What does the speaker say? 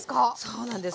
そうなんです。